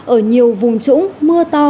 ở nhiều vùng trũng mưa to